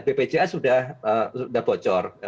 bpjs sudah bocor